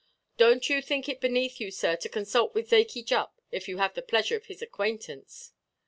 Donʼt you think it beneath you, sir, to consult with Zakey Jupp, if you have the pleasure of his acquaintance."